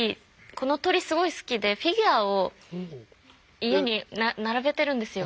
この鳥すごい好きでフィギュアを家に並べてるんですよ。